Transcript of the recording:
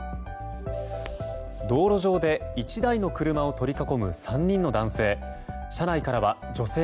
道路上で１台の車を取り囲む３人の男性。